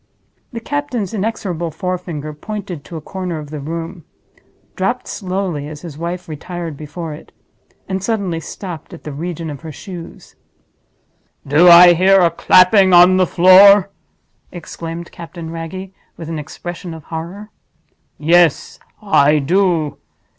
The captain's inexorable forefinger pointed to a corner of the room—dropped slowly as his wife retired before it—and suddenly stopped at the region of her shoes. "Do I hear a clapping on the floor!" exclaimed Captain Wragge, with an expression of horror. "Yes; I do.